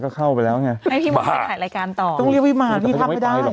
ก็เข้าไปแล้วไงไม่พี่มองไปถ่ายรายการต่อต้องเรียกว่าพี่มาพี่ท่ำไปได้แต่เขายังไม่ไปหรอก